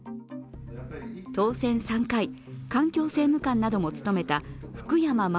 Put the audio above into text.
当選３回、環境政務官なども務めた福山守